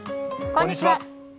こんにちは。